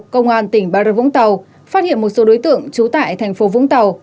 công an tỉnh bà rập vũng tàu phát hiện một số đối tượng trú tại thành phố vũng tàu